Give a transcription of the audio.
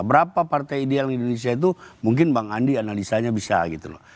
berapa partai ideal di indonesia itu mungkin bang andi analisanya bisa gitu loh